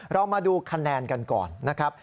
เรามาดูคะแนนกันก่อนนะครับ